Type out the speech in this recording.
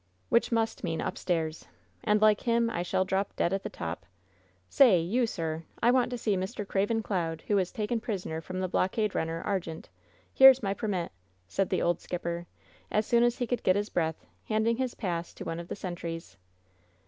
Which must mean 'Upstairs/ And like him, I shall drop dead at the top. Say 1 you, sirl I want to see Mr. Craven Cloud, who was taken prisoner from the blockade runner Argente. Here's my permit," said the old skip per, as soon as he could get his breath, handing his pass to one of the sentries.